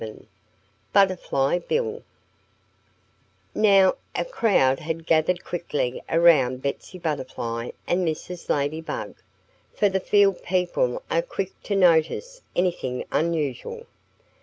VII BUTTERFLY BILL NOW, a crowd had gathered quickly around Betsy Butterfly and Mrs. Ladybug; for the field people are quick to notice anything unusual.